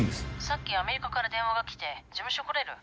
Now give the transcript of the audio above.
さっきアメリカから電話が来て事務所来れる？